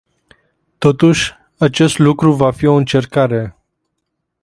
Totuși, acest lucru va fi o încercare.